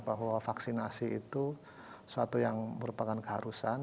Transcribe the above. bahwa vaksinasi itu suatu yang merupakan keharusan